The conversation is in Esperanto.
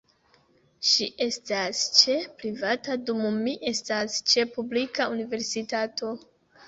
Ŝi estas ĉe privata dum mi estas ĉe publika universitato.